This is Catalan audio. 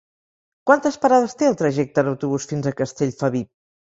Quantes parades té el trajecte en autobús fins a Castellfabib?